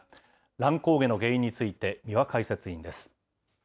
乱高下の原因について、三輪解説委員です。